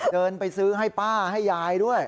เดินไปซื้อให้ป้าให้ยายด้วย